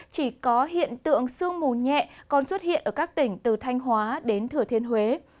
chỉ có hiện tượng sương mù nhẹ còn xuất hiện ở các tỉnh từ thanh hóa đến thừa thiên huế